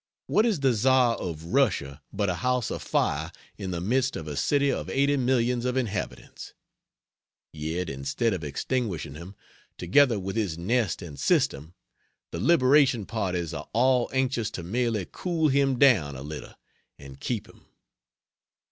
What is the Czar of Russia but a house afire in the midst of a city of eighty millions of inhabitants? Yet instead of extinguishing him, together with his nest and system, the liberation parties are all anxious to merely cool him down a little and keep him.